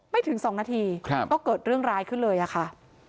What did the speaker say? ถึง๒นาทีก็เกิดเรื่องร้ายขึ้นเลยอะค่ะ